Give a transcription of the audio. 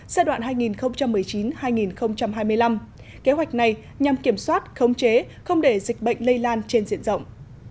giai đoạn hai nghìn một mươi chín hai nghìn hai mươi năm kế hoạch này nhằm kiểm soát khống chế không để dịch bệnh lây lan trên diện rộng